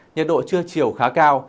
nhiệt độ chưa chiều khá cao